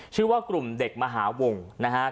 ชื่อว่ากลุ่มเด็กมหาวงนะครับ